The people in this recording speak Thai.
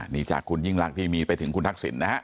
นี่จากคุณยิ่งรักที่มีไปถึงคุณทักษิณนะฮะ